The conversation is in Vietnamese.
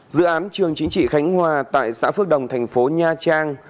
dự án trường chính trị khánh hòa tại xã phước đồng thành phố nha trang